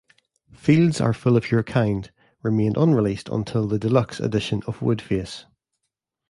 "Fields are Full of Your Kind" remained unreleased until the deluxe edition of "Woodface".